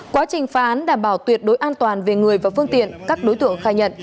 quá trình phán đảm bảo tuyệt đối an toàn về người và phương tiện các đối tượng khai nhận